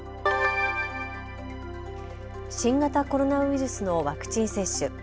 新型コロナウイルスのワクチン接種。